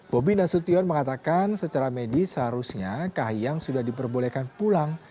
bobi nasution mengatakan secara medis seharusnya kahiyang sudah diperbolehkan pulang